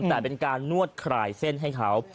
แต่เป็นการนวดคลายเส้นให้เขา